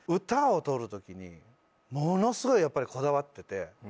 歌を録る時にものすごいやっぱりこだわってて。